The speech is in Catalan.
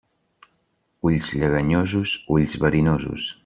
Ulls lleganyosos, ulls verinosos.